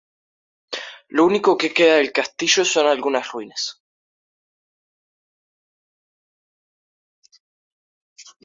Lo único que queda del castillo son algunas ruinas.